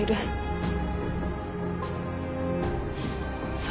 そう。